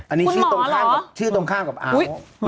อันนี้ชื่อตรงข้างกับอ้าว